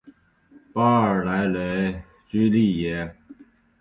巴尔莱雷居利耶。